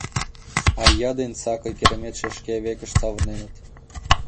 А ия ден сакый кереметше шке векышт савыреныт.